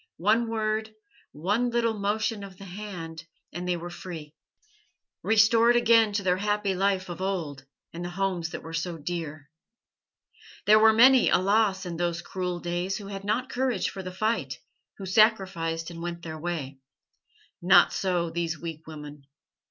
One word, one little motion of the hand, and they were free, restored again to their happy life of old and the homes that were so dear. There were many, alas! in those cruel days who had not courage for the fight, who sacrificed, and went their way. Not so these weak women.